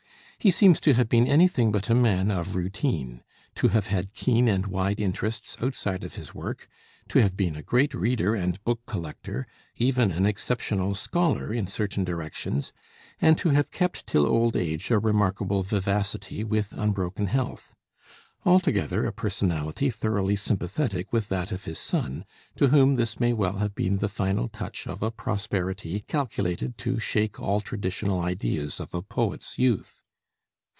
He seems to have been anything but a man of routine; to have had keen and wide interests outside of his work; to have been a great reader and book collector, even an exceptional scholar in certain directions; and to have kept till old age a remarkable vivacity, with unbroken health altogether a personality thoroughly sympathetic with that of his son, to whom this may well have been the final touch of a prosperity calculated to shake all traditional ideas of a poet's youth.